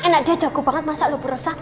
enak dia jago banget masak loh bu rosa